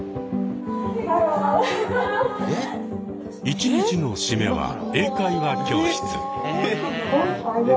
一日の締めは英会話教室。